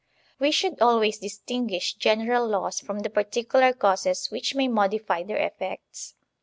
We should always distinguish general laws from the particular causes which may modify their effects.